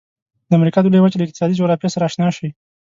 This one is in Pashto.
د امریکا د لویې وچې له اقتصادي جغرافیې سره آشنا شئ.